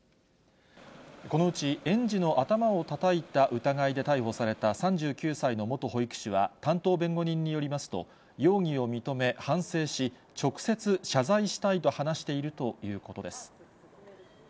このうち園児の頭をたたいた疑いで逮捕された３９歳の元保育士は、担当弁護人によりますと、容疑を認め、反省し、直接謝罪したいと話しているということです。